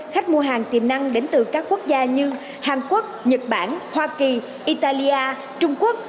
khách mua hàng tiềm năng đến từ các quốc gia như hàn quốc nhật bản hoa kỳ italia trung quốc